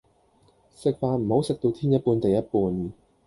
食飯唔好食到天一半地一半